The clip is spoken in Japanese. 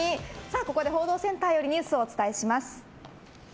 ここで報道センターよりニュースをお伝えします。